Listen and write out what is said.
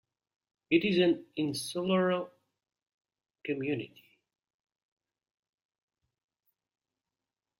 It is an insular community.